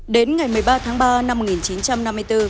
đến ngày một mươi ba tháng ba năm một nghìn chín trăm năm mươi bốn